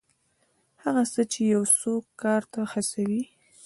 هغه څه چې یو څوک کار ته هڅوي.